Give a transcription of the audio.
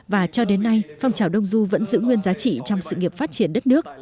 và cho đến nay phong trào đông du vẫn giữ nguyên giá trị trong sự nghiệp phát triển đất nước